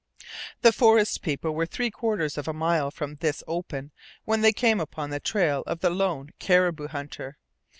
The forest people were three quarters of a mile from this open when they came upon the trail of the lone caribou hunter.